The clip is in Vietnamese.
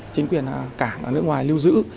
chính quyền cảng ở nước ngoài lưu giữ